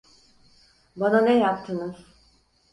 Bana ne yaptınız?